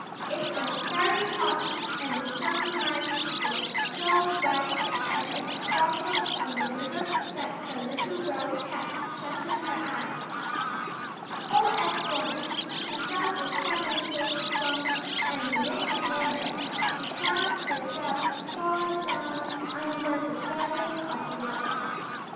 It was very hot and the sunlight was so bright as it sparkled on the river that the little girl kept shutting her eyes. All at once she felt a tremendous thump and the next moment she found herself far down under the surface of the water.